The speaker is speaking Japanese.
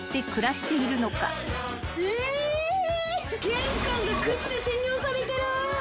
玄関が靴で占領されてる！